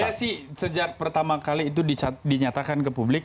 saya sih sejak pertama kali itu dinyatakan ke publik